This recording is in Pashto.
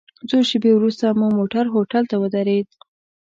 څو شېبې وروسته مو موټر هوټل ته ودرید.